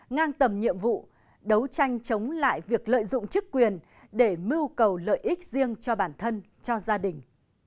ngang tầm nhiệm vụ đấu tranh chống lại việc lợi dụng chức quyền để mưu cầu lợi ích riêng cho bản thân cho gia đình